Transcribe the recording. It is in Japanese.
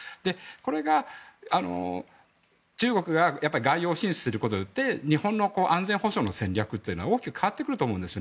これが中国が外洋進出することで日本の安全保障の戦略は大きく変わってくると思うんです。